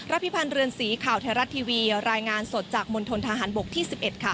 พิพันธ์เรือนสีข่าวไทยรัฐทีวีรายงานสดจากมณฑนทหารบกที่๑๑ค่ะ